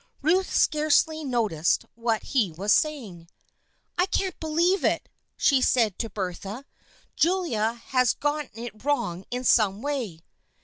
Ruth scarcely noticed what he was saying. " I can't believe it/' she said to Bertha. " Julia has gotten it wrong in some way."